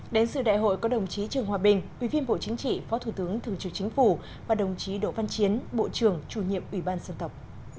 đến sự đại hội có đồng chí trương hòa bình ủy viên bộ chính trị phó thủ tướng thường trưởng chính phủ và đồng chí đỗ văn chiến bộ trưởng chủ nhiệm ủy ban dân tộc